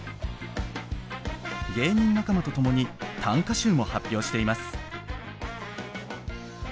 芸人仲間と共に短歌集も発表しています。